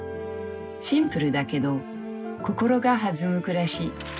シンプルだけど心が弾む暮らし。